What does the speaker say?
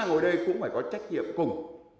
ngồi đây cũng phải có trách nhiệm cùng